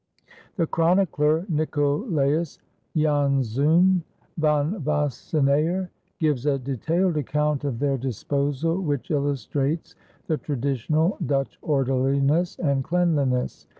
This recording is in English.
The chronicler, Nicholaes Janszoon Van Wassenaer, gives a detailed account of their disposal which illustrates the traditional Dutch orderliness and cleanliness.